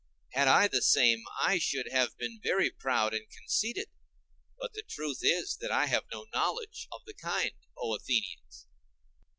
Had I the same, I should have been very proud and conceited; but the truth is that I have no knowledge of the kind, O Athenians.